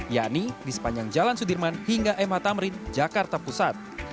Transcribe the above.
yakni di sepanjang jalan sudirman hingga mh tamrin jakarta pusat